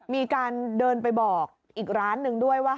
มีการเดินไปบอกอีกร้านหนึ่งด้วยว่า